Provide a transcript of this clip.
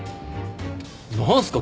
何すか？